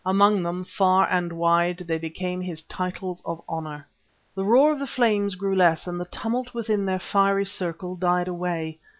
Among them, far and wide, they became his titles of honour. The roar of the flames grew less and the tumult within their fiery circle died away.